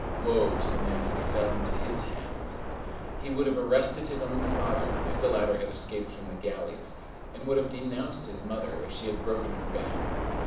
Woe to the man who fell into his hands! He would have arrested his own father, if the latter had escaped from the galleys, and would have denounced his mother, if she had broken her ban.